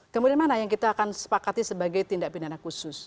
kemudian mana yang kita akan sepakati sebagai tindak pidana khusus